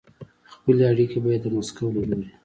خپلې اړیکې به یې د مسکو له لوري